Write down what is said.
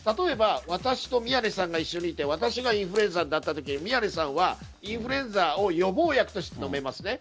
私と宮根さんが一緒にいて私がインフルエンザになったとき宮根さんはインフルエンザの予防薬を飲みます。